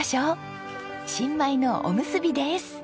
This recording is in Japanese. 新米のおむすびです！